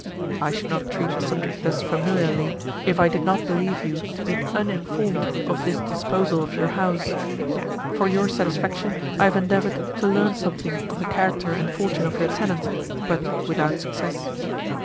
I should not treat the subject thus familiarly if I did not believe you to be uninformed of this disposal of your house; for your satisfaction I have endeavoured to learn something of the character and fortune of your tenant, but without success.